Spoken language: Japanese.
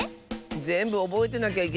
ぜんぶおぼえてなきゃいけないんだよね。